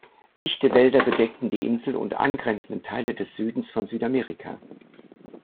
Dichte Wälder bedeckten die Insel und angrenzenden Teile des Südens von Südamerika.